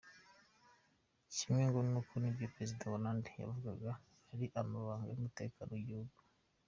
Kimwe, ngo n’uko ibyo perezida Hollande yavugaga ari amabanga y’umutekano w’’igihugu.